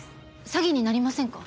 詐欺になりませんか？